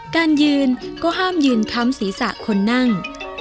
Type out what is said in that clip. การยืนก็ห้ามยืนค้ำศีรษะคนนั่ง